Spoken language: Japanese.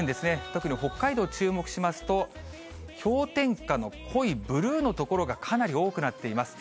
特に北海道、注目しますと、氷点下の濃いブルーの所が、かなり多くなっています。